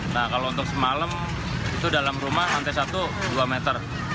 nah kalau untuk semalam itu dalam rumah lantai satu dua meter